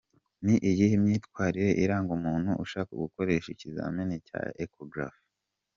Ni iyihe myitwarire iranga umuntu ushaka gukoresha ikizamini cya Echographie?.